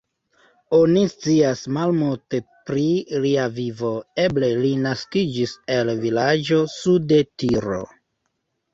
Oni scias malmulte pri lia vivo, eble li naskiĝis el vilaĝo sude Tiro.